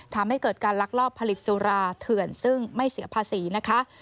ทำให้เกิดการลักลอบผลิตสุราเถื่อนซึ่งไม่เสียภาษีนะคะ